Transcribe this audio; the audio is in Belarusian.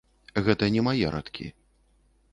Гэта не мае радкі.